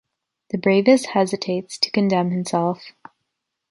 The bravest hesitates to condemn himself.